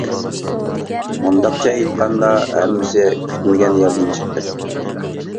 مۇنداقچە ئېيتقاندا ھەممىسى كۈتمىگەن يەردىن چىقتى.